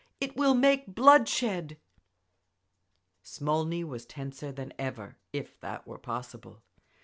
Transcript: It will make bloodshed…." Smolny was tenser than ever, if that were possible.